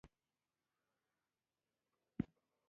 ازادي راډیو د چاپیریال ساتنه د منفي اړخونو یادونه کړې.